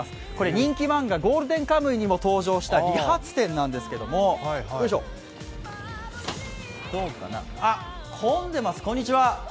人気漫画「ゴールデンカムイ」にもの登場した理髪店なんですけども、混んでます、こんにちは。